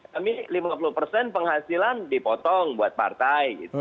kami lima puluh persen penghasilan dipotong buat partai